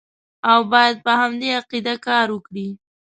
او باید په همدې عقیده کار وکړي.